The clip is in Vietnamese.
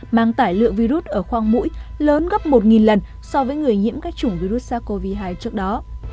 mang tải lượng virus ở khoang mũi lớn gấp một lần so với người nhiễm các chủng virus sars cov hai trước đó